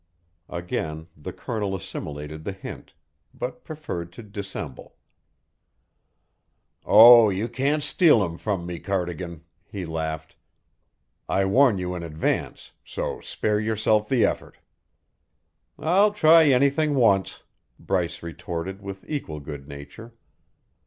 Again the Colonel assimilated the hint, but preferred to dissemble. "Oh, you can't steal him from me, Cardigan," he laughed. "I warn you in advance so spare yourself the effort." "I'll try anything once," Bryce retorted with equal good nature.